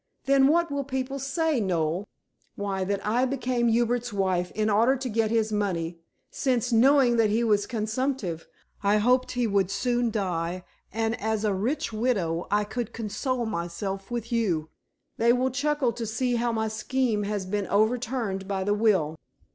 Then what will people say, Noel? Why, that I became Hubert's wife in order to get his money, since, knowing that he was consumptive, I hoped he would soon die, and that as a rich widow I could console myself with you. They will chuckle to see how my scheme has been overturned by the will."